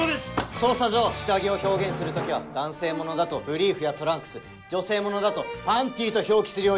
捜査上下着を表現する時は男性物だと「ブリーフ」や「トランクス」女性物だと「パンティ」と表記するよう。